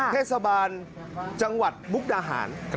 เทศบาลจังหวัดมุกดาหาร